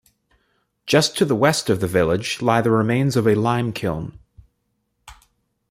Just to the west of the village lie the remains of a lime kiln.